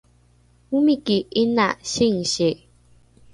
omiki ’ina singsi